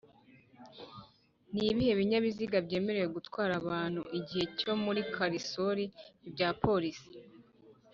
Nibihe binyanyabiziga byemerewe gutwara abantu igihe cyose muri kalisoli? ibya police